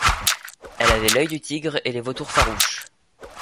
Elle avait l'oeil du tigre, et les vautours farouches